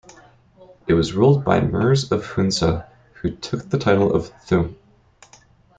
It was ruled by the Mirs of Hunza, who took the title of Thum.